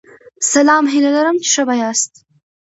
سلام هیله لرم چی ښه به یاست